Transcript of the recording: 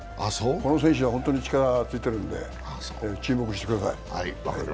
この選手は本当に力がついているので注目してください。